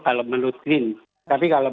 kalau menurut green tapi kalau